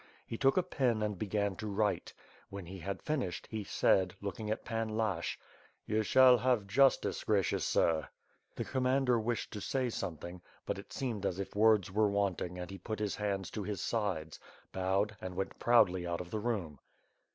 He took a pen and began to write. When he had finished, he said, looking at Pan Lashch: ''You shall have justice, gracious sir.'' The commander wished to say something, but it seemed as if words were wanting and he put his hands to his sides, bowed and went proudly out of the room.